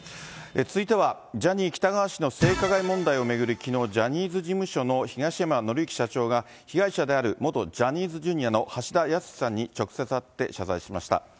続いては、ジャニー喜多川氏の性加害問題を巡り、きのう、ジャニーズ事務所の東山紀之社長が、被害者である元ジャニーズＪｒ．の橋田康さんに直接会って謝罪しました。